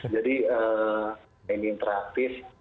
jadi yang interaktif